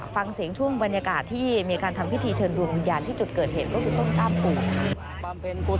ฟังเสียงช่วงบรรยากาศที่มีการทำพิธีเชิญดวงวิญญาณที่จุดเกิดเหตุก็คือต้นกล้ามปู่